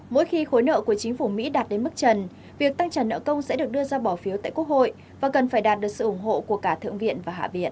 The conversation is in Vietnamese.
mỗi khi khối nợ của chính phủ mỹ đạt đến mức trần việc tăng trả nợ công sẽ được đưa ra bỏ phiếu tại quốc hội và cần phải đạt được sự ủng hộ của cả thượng viện và hạ viện